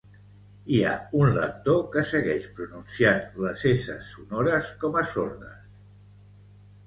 Hi ha un lector que segueix pronunciant les esses sonores com a sordes